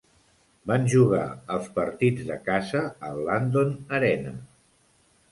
Van jugar els partits de casa al Landon Arena.